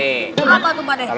apa tuh pak d